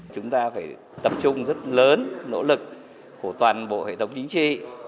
chúng ta phải tập trung rất lớn nỗ lực của toàn bộ hệ thống chính trị